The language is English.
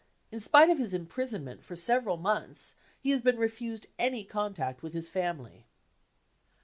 In spite of his imprisonment for several months he has been refused any contact with his family.